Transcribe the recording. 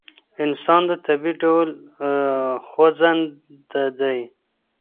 انسان په طبعي ډول خوځنده دی.